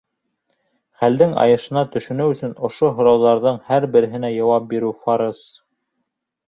Хәлдең айышына төшөнөү өсөн ошо һорауҙарҙың һәр береһенә яуап биреү фарыз.